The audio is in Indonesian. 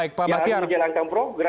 yang harus menjalankan program